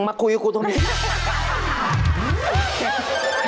มาคุยกับกูเท่านี้